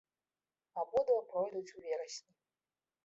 Абодва пройдуць у верасні.